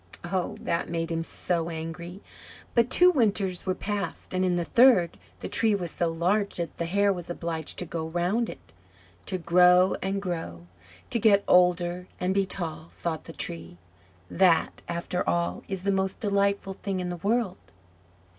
Oh, that made him so angry! But two winters were past, and in the third the tree was so large that the hare was obliged to go round it. "To grow and grow, to get older and be tall," thought the Tree "that, after all, is the most delightful thing in the world!"